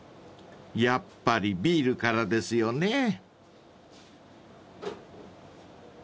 ［やっぱりビールからですよね］